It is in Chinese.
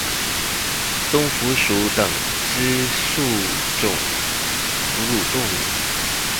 棕蝠属等之数种哺乳动物。